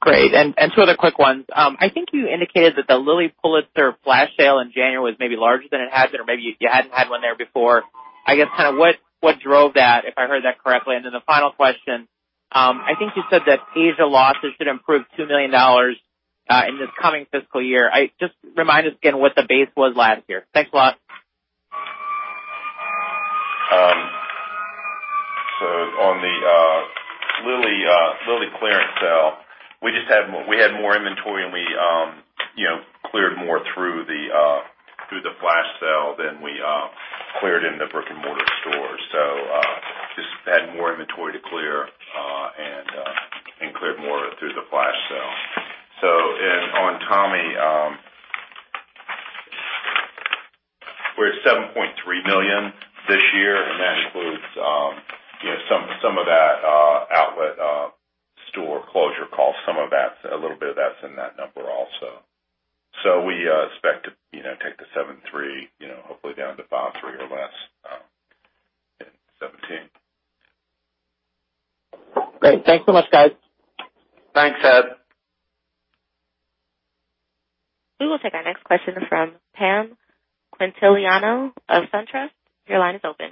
Great. Two other quick ones. I think you indicated that the Lilly Pulitzer flash sale in January was maybe larger than it had been, or maybe you hadn't had one there before. I guess, what drove that, if I heard that correctly? The final question, I think you said that Asia losses should improve $2 million in this coming fiscal year. Just remind us again what the base was last year. Thanks a lot. On the Lilly clearance sale, we had more inventory. We cleared more through the flash sale than we cleared in the brick-and-mortar stores. Just had more inventory to clear and cleared more through the flash sale. On Tommy, we're at $7.3 million this year. That includes some of that outlet store closure cost, a little bit of that's in that number also. We expect to take the $7.3 million hopefully down to $5.3 million or less in 2017. Great. Thanks so much, guys. Thanks, Ed. We will take our next question from Pamela Quintiliano of SunTrust. Your line is open.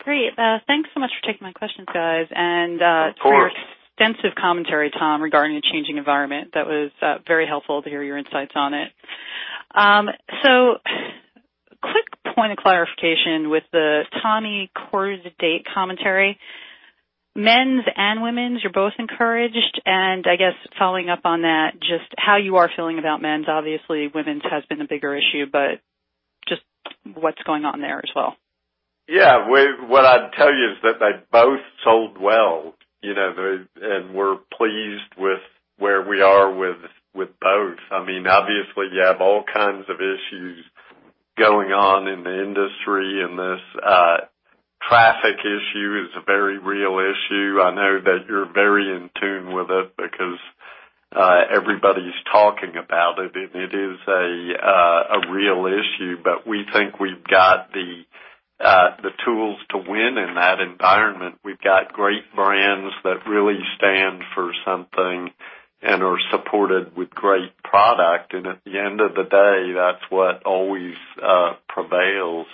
Great. Thanks so much for taking my questions, guys. Of course. For your extensive commentary, Tom, regarding the changing environment. That was very helpful to hear your insights on it. Quick point of clarification with the Tommy quarter-to-date commentary. Men's and women's, you're both encouraged? I guess following up on that, just how you are feeling about men's. Obviously, women's has been the bigger issue, but just what's going on there as well? Yeah. What I'd tell you is that they both sold well, and we're pleased with where we are with both. Obviously, you have all kinds of issues going on in the industry, and this traffic issue is a very real issue. I know that you're very in tune with it because everybody's talking about it, and it is a real issue. We think we've got the tools to win in that environment. We've got great brands that really stand for something and are supported with great product. At the end of the day, that's what always prevails.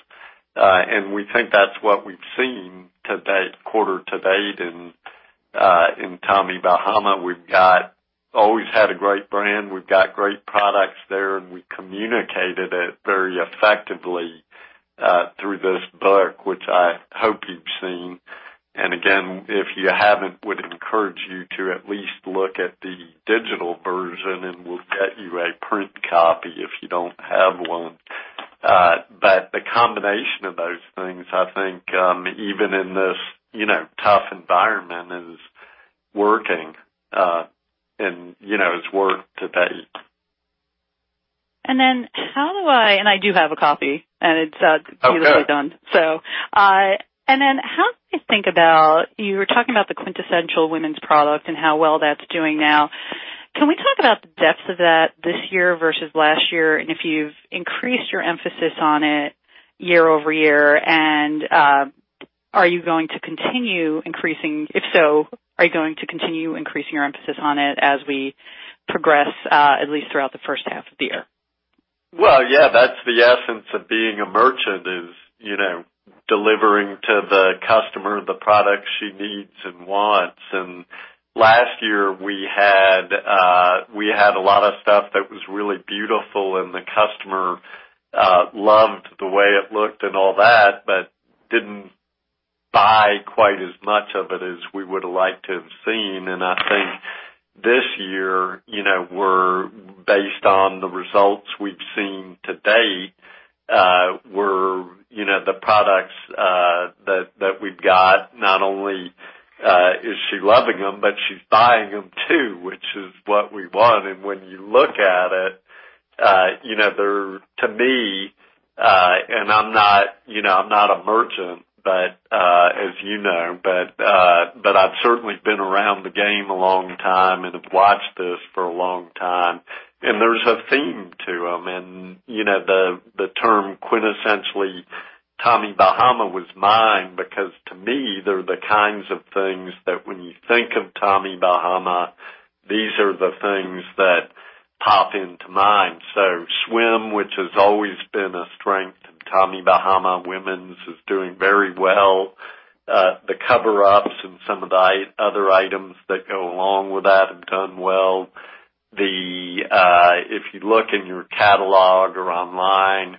We think that's what we've seen to date, quarter to date in Tommy Bahama. We've always had a great brand. We've got great products there, and we communicated it very effectively through this book, which I hope you've seen. Again, if you haven't, would encourage you to at least look at the digital version, and we'll get you a print copy if you don't have one. The combination of those things, I think, even in this tough environment, is working, and it's worked to date. I do have a copy, and it's beautifully done. Oh, good. How do you think about, you were talking about the quintessential women's product and how well that's doing now. Can we talk about the depth of that this year versus last year? If you've increased your emphasis on it year-over-year. Are you going to continue increasing your emphasis on it as we progress, at least throughout the first half of the year? That's the essence of being a merchant is delivering to the customer the product she needs and wants. Last year, we had a lot of stuff that was really beautiful, and the customer loved the way it looked and all that but didn't buy quite as much of it as we would have liked to have seen. I think this year, based on the results we've seen to date, the products that we've got, not only is she loving them, but she's buying them, too, which is what we want. When you look at it, to me, and I'm not a merchant but I've certainly been around the game a long time and have watched this for a long time, and there's a theme to them. The term quintessentially Tommy Bahama was mine, because to me, they're the kinds of things that when you think of Tommy Bahama, these are the things that pop into mind. Swim, which has always been a strength in Tommy Bahama Women's, is doing very well. The coverups and some of the other items that go along with that have done well. If you look in your catalog or online,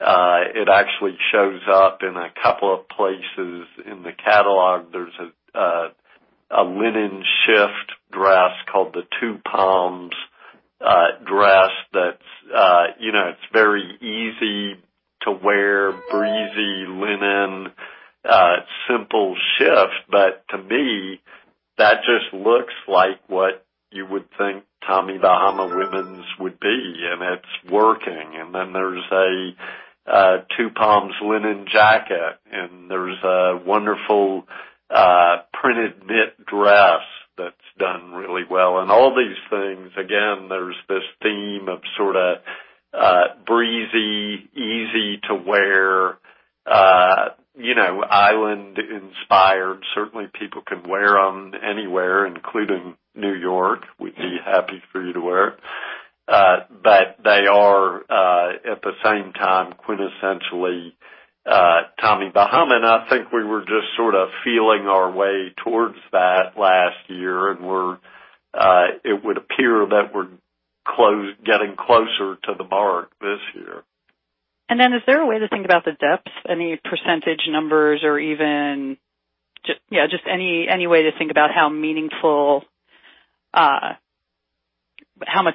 it actually shows up in a couple of places in the catalog. There's a linen shift dress called the Two Palms dress that's very easy to wear, breezy linen, simple shift. To me, that just looks like what you would think Tommy Bahama Women's would be, and it's working. There's a Two Palms linen jacket, and there's a wonderful printed knit dress that's done really well. All these things, again, there's this theme of sort of breezy, easy to wear, island inspired. Certainly, people can wear them anywhere, including New York. We'd be happy for you to wear it. They are at the same time, quintessentially Tommy Bahama, and I think we were just sort of feeling our way towards that last year, and it would appear that we're getting closer to the mark this year. Is there a way to think about the depth? Any % numbers or even just any way to think about how much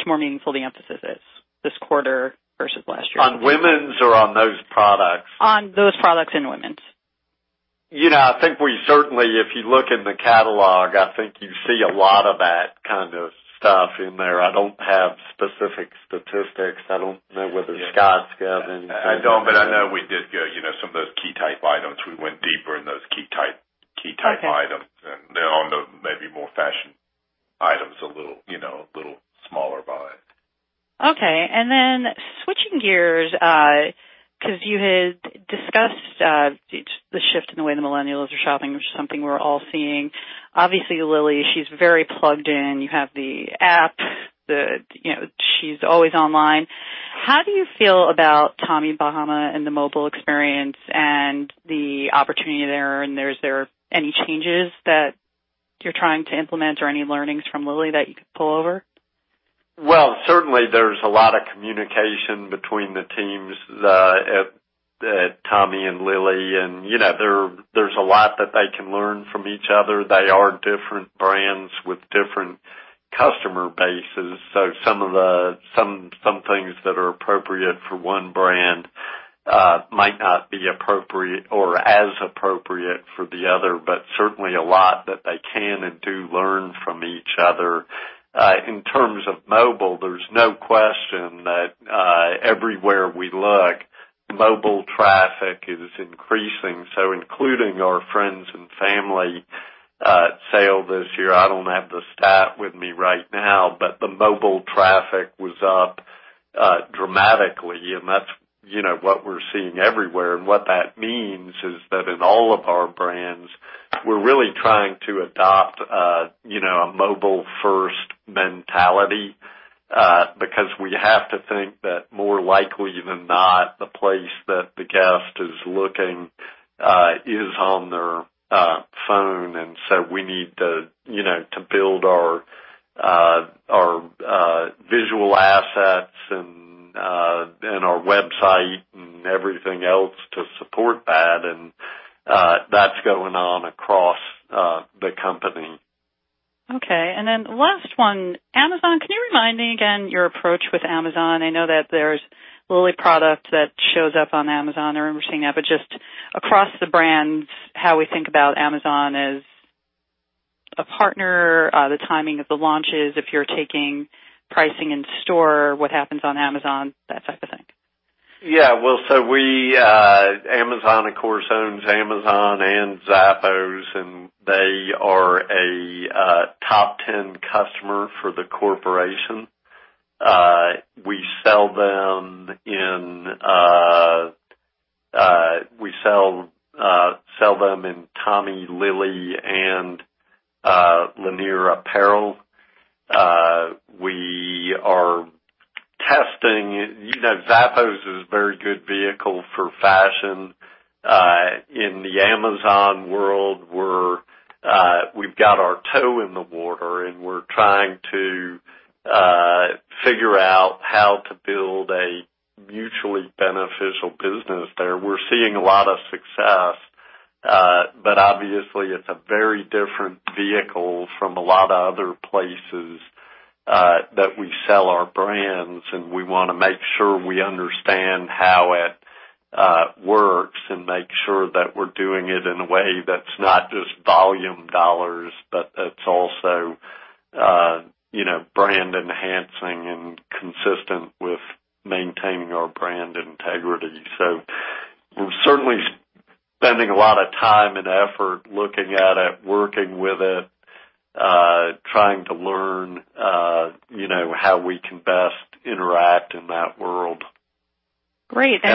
more meaningful the emphasis is this quarter versus last year? On women's or on those products? On those products in women's. I think we certainly, if you look in the catalog, I think you see a lot of that kind of stuff in there. I don't have specific statistics. I don't know whether Scott's got anything. I don't. I know we did some of those key type items. We went deeper in those key type items. Okay. On the maybe more fashion items, a little smaller buy. Okay. Switching gears, because you had discussed the shift in the way the millennials are shopping, which is something we're all seeing. Obviously, Lilly, she's very plugged in. You have the app, she's always online. How do you feel about Tommy Bahama and the mobile experience and the opportunity there, is there any changes that you're trying to implement or any learnings from Lilly that you could pull over? Certainly there's a lot of communication between the teams at Tommy and Lilly, and there's a lot that they can learn from each other. They are different brands with different customer bases. Some things that are appropriate for one brand, might not be appropriate or as appropriate for the other, certainly a lot that they can and do learn from each other. In terms of mobile, there's no question that, everywhere we look, mobile traffic is increasing. Including our friends and family sale this year, I don't have the stat with me right now, the mobile traffic was up dramatically, and that's what we're seeing everywhere. What that means is that in all of our brands, we're really trying to adopt a mobile first mentality, because we have to think that more likely than not, the place that the guest is looking, is on their phone. We need to build our visual assets and our website and everything else to support that. That's going on across the company. Okay. Last one, Amazon, can you remind me again your approach with Amazon? I know that there's Lilly product that shows up on Amazon. I remember seeing that, just across the brands, how we think about Amazon as a partner, the timing of the launches, if you're taking pricing in store, what happens on Amazon, that type of thing. Yeah. Amazon, of course, owns Amazon and Zappos. They are a top 10 customer for the corporation. We sell them in Tommy, Lilly and Lanier Apparel. Zappos is a very good vehicle for fashion. In the Amazon world, we've got our toe in the water. We're trying to figure out how to build a mutually beneficial business there. We're seeing a lot of success. Obviously, it's a very different vehicle from a lot of other places, that we sell our brands. We want to make sure we understand how it works and make sure that we're doing it in a way that's not just volume dollars, but that's also brand enhancing and consistent. Maintaining our brand integrity. We're certainly spending a lot of time and effort looking at it, working with it, trying to learn how we can best interact in that world. Great. They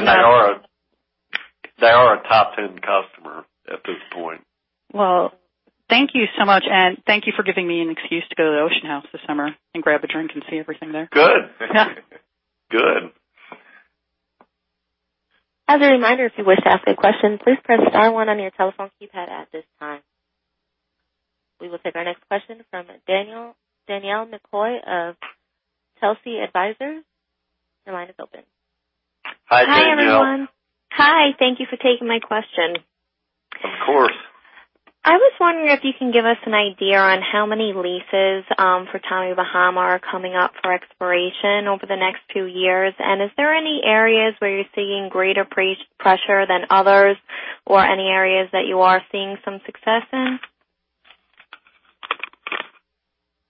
are a top 10 customer at this point. Well, thank you so much, and thank you for giving me an excuse to go to the Ocean House this summer and grab a drink and see everything there. Good. Good. As a reminder, if you wish to ask a question, please press star one on your telephone keypad at this time. We will take our next question from Danielle McCoy of Chelsea Advisors. Your line is open. Hi, Danielle. Hi, everyone. Hi. Thank you for taking my question. Of course. I was wondering if you can give us an idea on how many leases for Tommy Bahama are coming up for expiration over the next two years. Are there any areas where you're seeing greater pressure than others, or any areas that you are seeing some success in?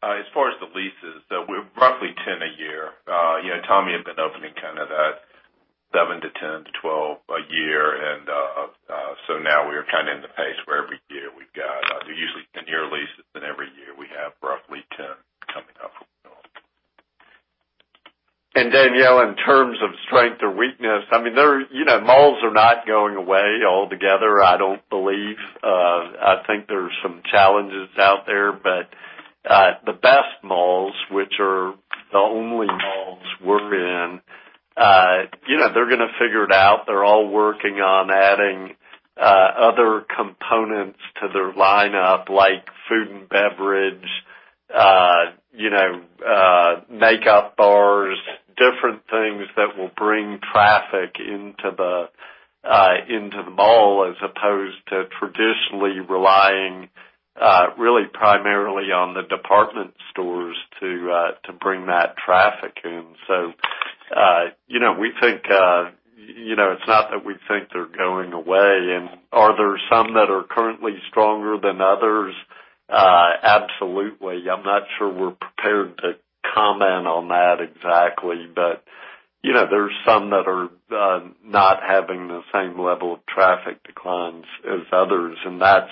As far as the leases, we're roughly 10 a year. Tommy had been opening kind of that seven to 10 to 12 a year. Now we are kind of in the pace where every year We usually renew leases, and every year we have roughly 10 coming up. Danielle, in terms of strength or weakness, malls are not going away altogether, I don't believe. I think there's some challenges out there, but the best malls, which are the only malls we're in, they're going to figure it out. They're all working on adding other components to their lineup, like food and beverage, makeup bars, different things that will bring traffic into the mall as opposed to traditionally relying really primarily on the department stores to bring that traffic in. It's not that we think they're going away. Are there some that are currently stronger than others? Absolutely. I'm not sure we're prepared to comment on that exactly. There's some that are not having the same level of traffic declines as others, and that's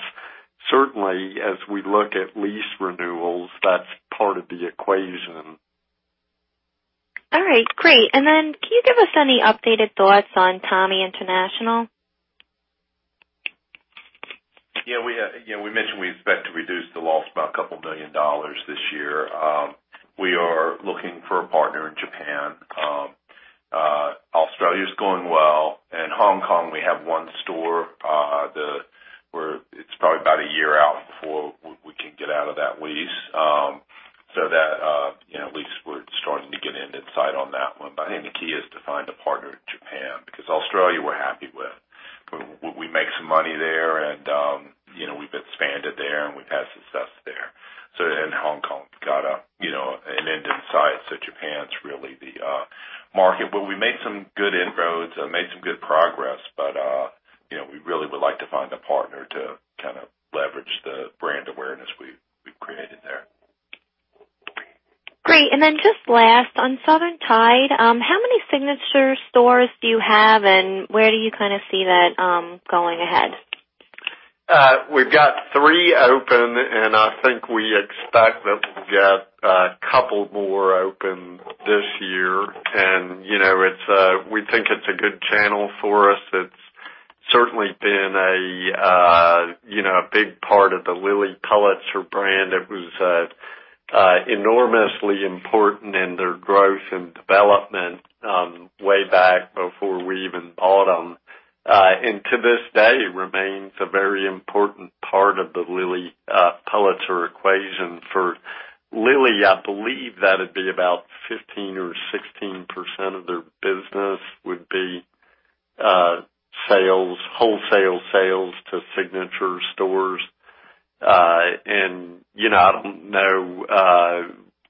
certainly as we look at lease renewals, that's part of the equation. All right, great. Then can you give us any updated thoughts on Tommy International? Yeah, we mentioned we expect to reduce the loss by a couple million dollars this year. We are looking for a partner in Japan. Australia is going well. In Hong Kong, we have one store. It's probably about a year out before we can get out of that lease. That lease, we're starting to get an insight on that one. I think the key is to find a partner in Japan, because Australia, we're happy with. We make some money there, and we've expanded there, and we've had success there. In Hong Kong, got an insight. Japan is really the market. We made some good inroads and made some good progress, but we really would like to find a partner to kind of leverage the brand awareness we've created there. Great. Then just last, on Southern Tide, how many signature stores do you have, and where do you kind of see that going ahead? We've got three open, and I think we expect that we'll get a couple more open this year. We think it's a good channel for us. It's certainly been a big part of the Lilly Pulitzer brand. It was enormously important in their growth and development way back before we even bought them. To this day, remains a very important part of the Lilly Pulitzer equation. For Lilly, I believe that it'd be about 15% or 16% of their business would be wholesale sales to signature stores. I don't know,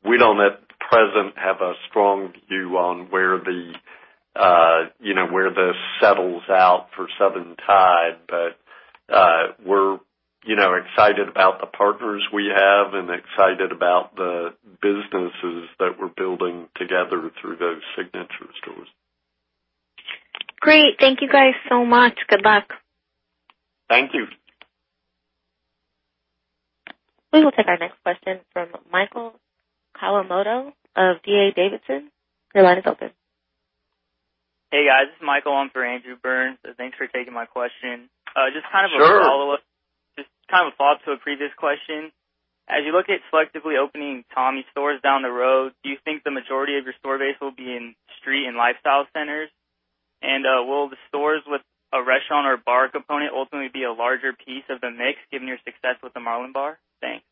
we don't at present have a strong view on where this settles out for Southern Tide. We're excited about the partners we have and excited about the businesses that we're building together through those signature stores. Great. Thank you guys so much. Good luck. Thank you. We will take our next question from Michael Kawamoto of D.A. Davidson. Your line is open. Hey, guys, this is Michael. I'm for Andrew Burns. Thanks for taking my question. Sure. Just kind of a follow-up, just kind of a thought to a previous question. As you look at selectively opening Tommy stores down the road, do you think the majority of your store base will be in street and lifestyle centers? Will the stores with a restaurant or bar component ultimately be a larger piece of the mix given your success with the Marlin Bar, you think?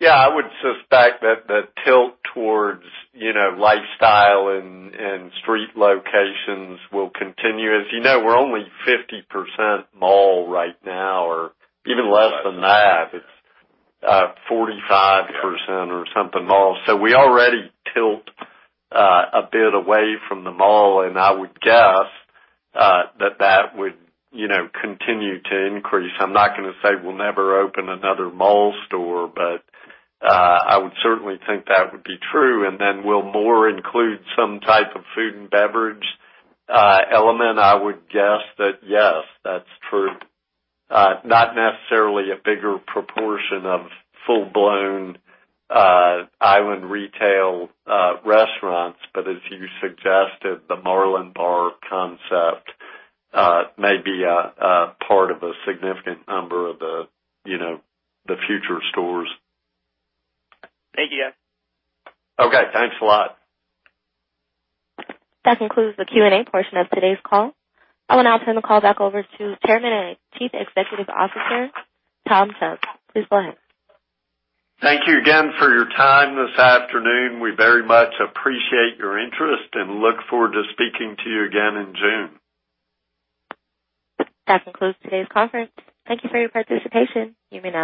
Yeah, I would suspect that the tilt towards lifestyle and street locations will continue. As you know, we're only 50% mall right now or even less than that. It's 45% or something mall. We already tilt a bit away from the mall, and I would guess that that would continue to increase. I'm not gonna say we'll never open another mall store, but I would certainly think that would be true. Will more include some type of food and beverage element? I would guess that yes, that's true. Not necessarily a bigger proportion of full-blown island retail restaurants, but as you suggested, the Marlin Bar concept may be a part of a significant number of the future stores. Thank you. Okay. Thanks a lot. That concludes the Q&A portion of today's call. I will now turn the call back over to Chairman and Chief Executive Officer, Tom Chubb. Please go ahead. Thank you again for your time this afternoon. We very much appreciate your interest and look forward to speaking to you again in June. That concludes today's conference. Thank you for your participation. You may disconnect.